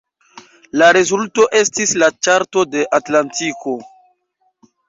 La rezulto estis la Ĉarto de Atlantiko.